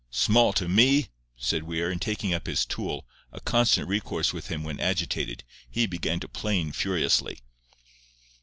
"Small to me!" said Weir, and taking up his tool, a constant recourse with him when agitated, he began to plane furiously.